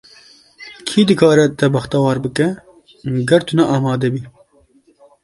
Kî dikare te bextewar bike, ger tu ne amade bî?